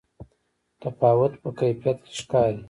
تفاوت په کیفیت کې ښکاري.